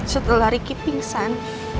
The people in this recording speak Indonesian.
setelah riki pingsan